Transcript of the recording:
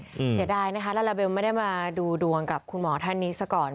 เสียดายนะคะลาลาเบลไม่ได้มาดูดวงกับคุณหมอท่านนี้ซะก่อน